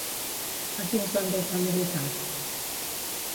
En quins bàndols va militar?